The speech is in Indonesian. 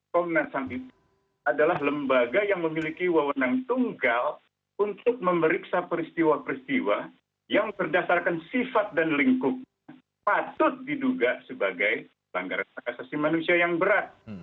komnas ham itu adalah lembaga yang memiliki wawonan tunggal untuk memeriksa peristiwa peristiwa yang berdasarkan sifat dan lingkup patut diduga sebagai pelanggaran asasi manusia yang berat